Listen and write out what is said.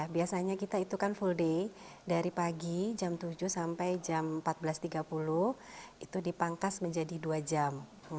biasanya kita itu kan full day dari pagi jam tujuh sampai jam empat belas tiga puluh itu dipangkas menjadi dua jam